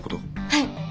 はい。